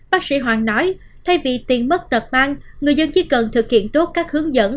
bác sĩ hoàng nói thay vì tiền mất tật mang người dân chỉ cần thực hiện tốt các hướng dẫn